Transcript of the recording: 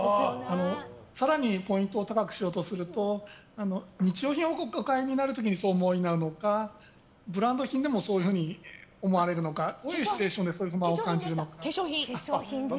更にポイントを高くしようとすると日用品を買う時にそう思われるのかブランド品でもそういうふうに思われるのかどういうシチュエーションでそう思われるのか。